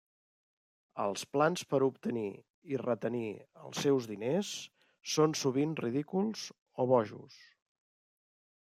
Els plans per obtenir i retenir els seus diners són sovint ridículs o bojos.